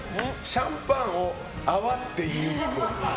シャンパンを「泡」って言うっぽい。